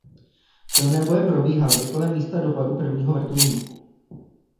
Silné boje probíhaly i kolem místa dopadu prvního vrtulníku.